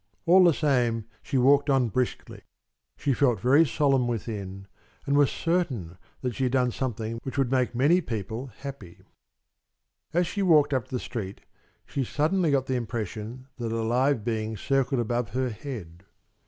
All the same, she walked on briskly. She felt very solemn within and was certain that she had done something which would make many people happy. As she walked up the street, she suddenly got the impression that a live being circled above her head.